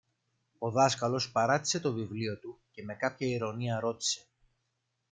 Ο δάσκαλος παράτησε το βιβλίο του και με κάποια ειρωνεία ρώτησε